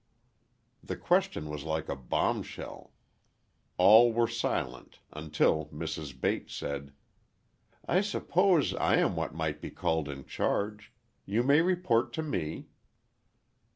The question was like a bombshell. All were silent, until Mrs. Bates said, "I suppose I am what might be called in charge. You may report to me."